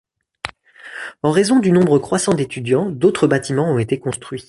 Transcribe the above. En raison du nombre croissant d'étudiants, d'autres bâtiments ont été construits.